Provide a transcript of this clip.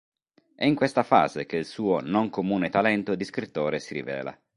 È in questo fase che il suo non comune talento di scrittore si rivela.